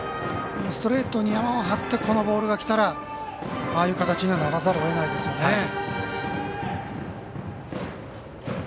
ストレートにヤマを張ってこのボールがきたらああいう形にはならざるをえないですよね。